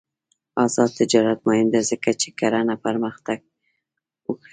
آزاد تجارت مهم دی ځکه چې کرنه پرمختګ ورکوي.